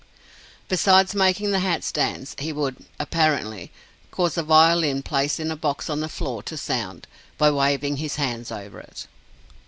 Besides making the hats dance, he would (apparently) cause a violin placed in a box on the floor to sound, by waving his hands over it.